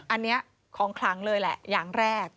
อันนี้ของคลังเลยแหละอย่างแรก